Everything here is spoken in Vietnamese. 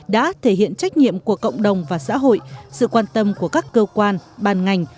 đã thể hiện trách nhiệm của cộng đồng và xã hội sự quan tâm của các cơ quan ban ngành